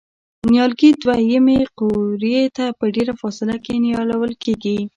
نیالګي دوه یمې قوریې ته په ډېره فاصله کې نیالول کېږي.